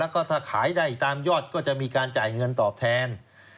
ก็ถ้าขายได้ตามยอดก็จะมีการจ่ายเงินตอบแทน